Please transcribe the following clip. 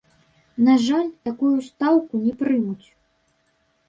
На жаль, такую стаўку не прымуць.